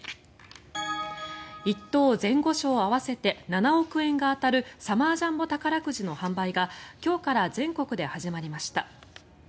１等・前後賞合わせて７億円が当たるサマージャンボ宝くじの販売が今日から全国で始まりました。